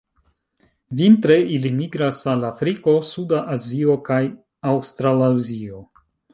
Vintre ili migras al Afriko, suda Azio kaj Aŭstralazio.